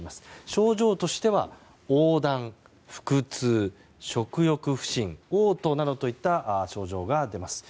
症状としては、黄だん、腹痛食欲不振、嘔吐などといった症状が出ます。